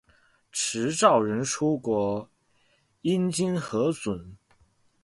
持照人出國應經核准